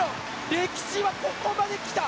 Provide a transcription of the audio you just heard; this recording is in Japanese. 歴史はここまで来た！